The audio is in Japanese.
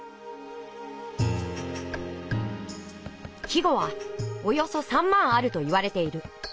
季語はおよそ３万あるといわれている。